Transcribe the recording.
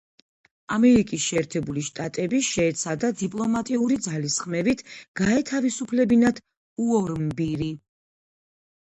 ამერიკის შეერთებული შტატები შეეცადა დიპლომატიური ძალისხმევით გაეთავისუფლებინათ უორმბირი.